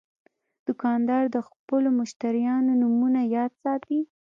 دوکاندار د خپلو مشتریانو نومونه یاد ساتي.